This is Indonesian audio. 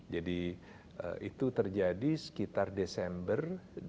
jadi itu terjadi sekitar desember seribu sembilan ratus sembilan puluh